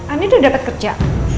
ani udah dapet kerja